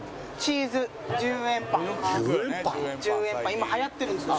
今はやってるんですよ